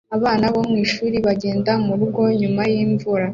Abana bo mwishuri bagenda murugo nyuma yimvura